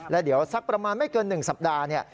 แล้วเดี๋ยวสักประมาณไม่เกิน๑สัปดาห์เนี่ย